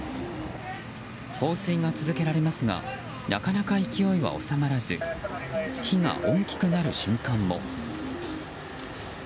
放水が続けられますがなかなか勢いは収まらず火が大きくなる瞬間も。